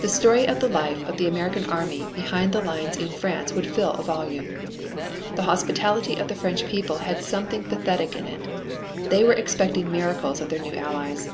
The story of the life of the American army behind the lines in France would fill a volume. The hospitality of the French people had something pathetic in it. They were expecting miracles of their new Allies.